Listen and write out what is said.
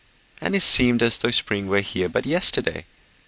And it seemed as though spring were here but yesterday.